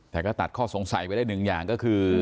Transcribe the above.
แต่ก็ตัดข้อสงสัยไปได้หนึ่งอย่างก็คือ